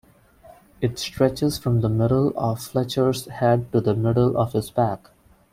It stretches from the middle of Fletcher's head to the middle of his back.